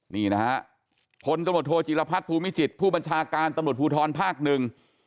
นี่นะฮะพลตำรวจโทจิรพัฒน์ภูมิจิตผู้บัญชาการตำรวจภูทรภาคหนึ่ง